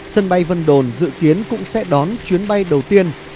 sân bay vân đồn dự kiến cũng sẽ đón chuyến bay đầu tiên